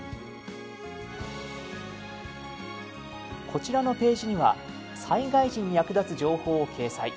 こちらのページには災害時に役立つ情報を掲載。